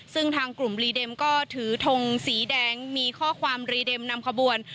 ซึ่งทางกลุ่มรีเด็มก็ถือทงสีแดงมีข้อความรีเด็มนำขบวน